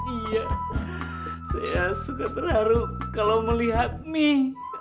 iya saya suka berharu kalau melihat mie